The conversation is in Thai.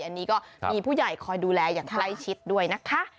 อันนี้ก็มีผู้ใหญ่คอยดูแลอย่างใกล้ชิดด้วยนะคะ